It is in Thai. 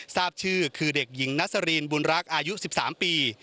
ทราบชื่อคือเด็กหญิงนัสรีนบุญรักษ์อายุ๑๓ปี